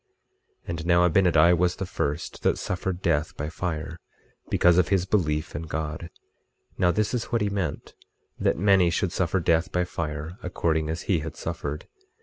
25:11 And now Abinadi was the first that suffered death by fire because of his belief in God; now this is what he meant, that many should suffer death by fire, according as he had suffered.